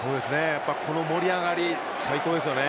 この盛り上がり最高ですよね。